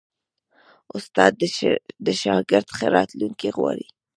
استاد د شاګرد ښه راتلونکی غواړي.